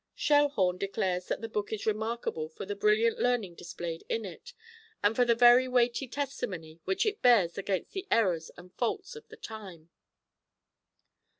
Schelhorn declares that the book is remarkable for the brilliant learning displayed in it, and for the very weighty testimony which it bears against the errors and faults of the time.